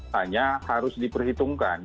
hanya harus diperhitungkan